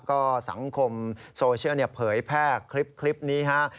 ก็สังคมโซเชียลเผยแพร่คลิปนี้ฮะ